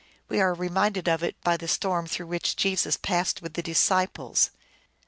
We are reminded of it by the storm through which Jesus passed with the disciples.